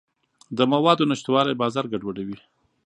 د موادو نشتوالی بازار ګډوډوي.